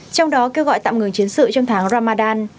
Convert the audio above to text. trong đó kêu gọi tạm ngừng chiến sự trong tháng ramadan